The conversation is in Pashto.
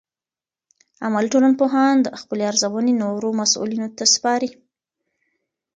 عملي ټولنپوهان خپلې ارزونې نورو مسؤلینو ته سپاري.